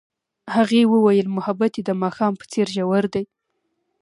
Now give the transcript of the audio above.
هغې وویل محبت یې د ماښام په څېر ژور دی.